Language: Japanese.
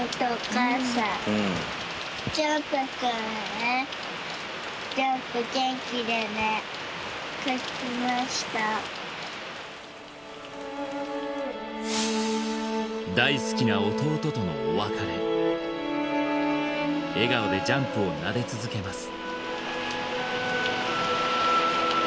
書きました大好きな弟とのお別れ笑顔でジャンプをなで続けます